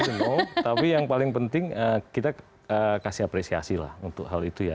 itu tapi yang paling penting kita kasih apresiasi lah untuk hal itu ya